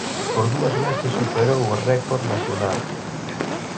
Por dúas veces superou o récord nacional.